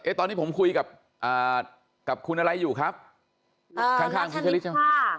เอ๊ะตอนนี้ผมคุยกับเอ่อกับคุณอะไรอยู่ครับเอ่อข้างคุณนัทธนิดค่ะ